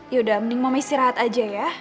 yaudah mending mau istirahat aja ya